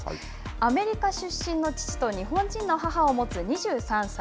アメリカ出身の父と日本人の母を持つ２３歳。